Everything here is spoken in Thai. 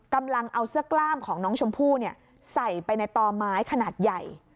กำลังเอาเสื้อกล้ามของน้องชมพู่ใส่ไปในต่อไม้ขนาดใหญ่